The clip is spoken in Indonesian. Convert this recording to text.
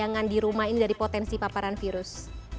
jangan di rumah ini dari potensi paparan virus